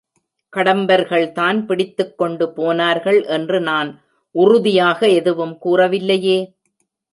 கடம்பர்கள்தான் பிடித்துக் கொண்டு போனார்கள் என்று நான் உறுதியாக எதுவும் கூறவில்லையே?